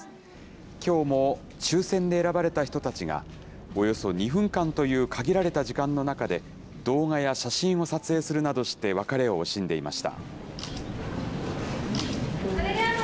きょうも抽せんで選ばれた人たちが、およそ２分間という限られた時間の中で、動画や写真を撮影するなどして、別れを惜しんでいました。